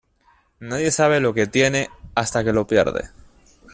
Nadie sabe lo que tiene hasta que lo pierde